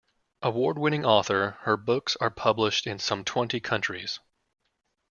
Award-winning author, her books are published in some twenty countries.